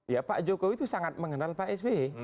ya pak jokowi itu sangat mengenal pak sby